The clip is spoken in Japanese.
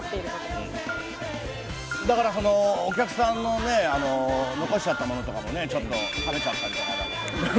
お客さんのね、残しちゃったものとかも、ちょっと食べちゃったりとか。